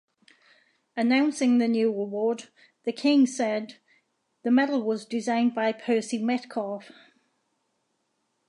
Announcing the new award, the King said: The medal was designed by Percy Metcalfe.